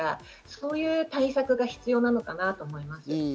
そういう対策が必要なのかなと思います。